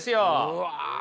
うわ。